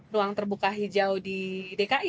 ruang terbuka hijau di dki